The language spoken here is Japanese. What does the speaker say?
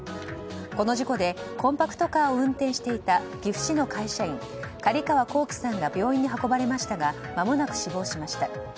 この事故でコンパクトカーを運転していた岐阜市の会社員、狩川幸希さんが病院に運ばれましたがまもなく死亡しました。